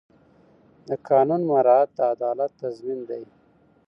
د قانون مراعات د عدالت تضمین دی.